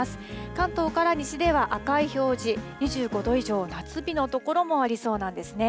関東から西では赤い表示、２５度以上、夏日の所もありそうなんですね。